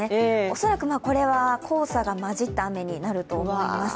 恐らくこれは黄砂が混じった雨になると思われます。